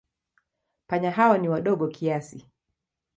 Panya hao ni wadogo kiasi.